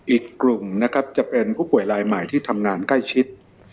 อีกกลุ่มนะครับจะเป็นผู้ป่วยลายใหม่ที่ทำงานใกล้ชิด